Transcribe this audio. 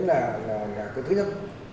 đúng người đúng tội